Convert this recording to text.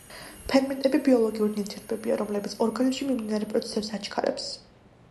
ფერმენტები ბიოლოგიური ნივთიერებებია, რომლებიც ორგანიზმში მიმდინარე პროცესებს აჩქარებს.